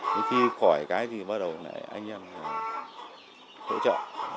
nhưng khi khỏi cái thì bắt đầu anh em hỗ trợ